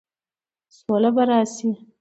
سوله به راشي،